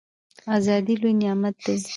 ازادي لوی نعمت دی